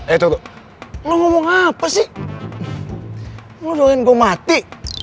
eh tunggu lu ngomong apa sih lu doain gua mati